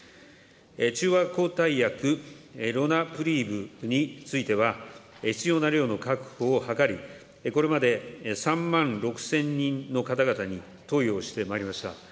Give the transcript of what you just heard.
中和抗体薬、ロナプリーブについては、必要な量の確保を図り、これまで３万６０００人の方々に投与をしてまいりました。